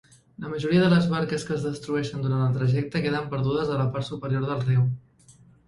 La majoria de les barques que es destrueixen durant el trajecte queden perdudes a la part superior del riu.